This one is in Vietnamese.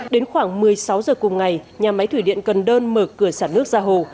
đến khoảng một mươi sáu giờ cùng ngày nhà máy thủy điện cần đơn mở cửa sản nước ra hồ